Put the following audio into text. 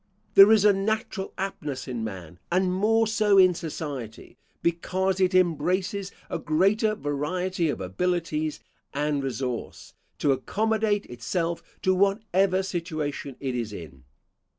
There is a natural aptness in man, and more so in society, because it embraces a greater variety of abilities and resource, to accommodate itself to whatever situation it is in.